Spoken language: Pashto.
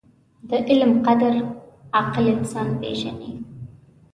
• د علم قدر، عاقل انسان پېژني.